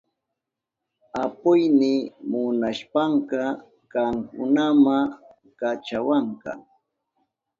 Apuyni munashpanka kankunama kachawanka.